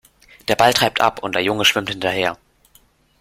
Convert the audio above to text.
Der Ball treibt ab und der Junge schwimmt hinterher.